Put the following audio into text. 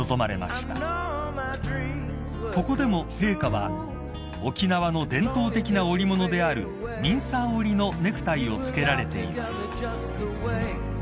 ［ここでも陛下は沖縄の伝統的な織物であるミンサー織りのネクタイを着けられています］